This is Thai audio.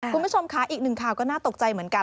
คุณผู้ชมค่ะอีกหนึ่งข่าวก็น่าตกใจเหมือนกัน